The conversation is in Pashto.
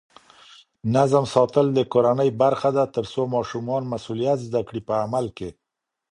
نظم ساتل د کورنۍ برخه ده ترڅو ماشومان مسؤلیت زده کړي په عمل کې.